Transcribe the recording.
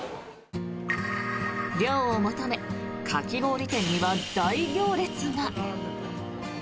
涼を求めかき氷店には大行列が。